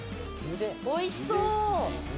おいしそう！